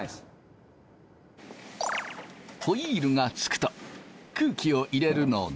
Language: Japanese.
ホイールがつくと空気を入れるのだが。